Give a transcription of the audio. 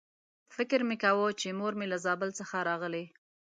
فکر مې کاوه چې مور مې له زابل څخه راغلې.